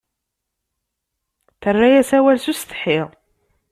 Terra-yas awal s usetḥi